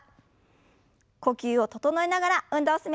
呼吸を整えながら運動を進めましょう。